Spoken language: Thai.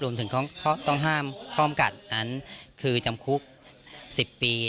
รวมถึงต้องห้ามพร้อมกัดนั้นคือจำคุก๑๐ปี